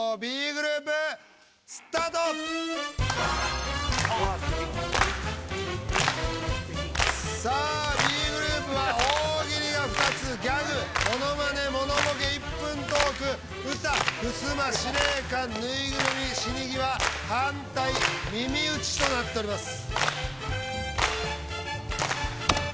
Ｂグループは「大喜利」が２つ「ギャグ」「モノマネ」「モノボケ」「１分トーク」「歌」「ふすま」「司令官」「ぬいぐるみ」「死に際」「反対」「耳打ち」となっております。